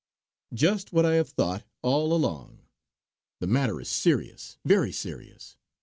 "Just what I have thought all along. The matter is serious, very serious!